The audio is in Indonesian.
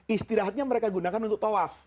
istirahatnya mereka gunakan untuk tawaf